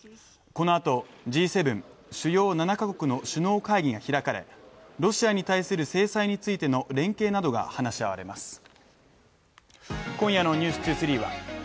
このあと、Ｇ７＝主要７か国の首脳会議が開かれロシアに対する制裁についての連携などが話し合われます。